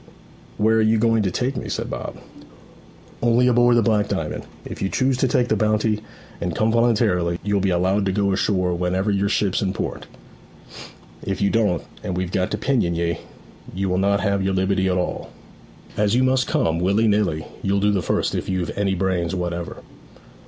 'Where are you going to take me?' said Bob. 'Only aboard the Black Diamond. If you choose to take the bounty and come voluntarily, you'll be allowed to go ashore whenever your ship's in port. If you don't, and we've got to pinion ye, you will not have your liberty at all. As you must come, willy nilly, you'll do the first if you've any brains whatever.'